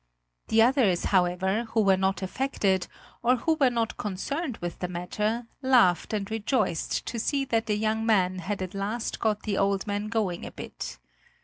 The others, however, who were not affected or who were not concerned with the matter, laughed and rejoiced to see that the young man had at last got the old man going a bit.